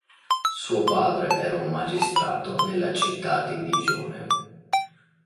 Suo padre era un magistrato nella città di Digione.